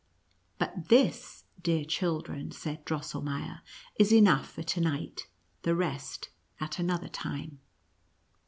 " But this, dear children," said Drossehneier, " is enough for to ni^ht — the rest at another time."